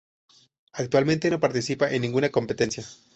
Actualmente no participa en ninguna competencia.